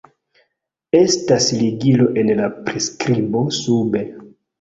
Estas ligilo en la priskribo sube.